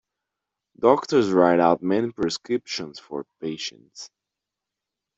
Doctors write out many prescriptions for patients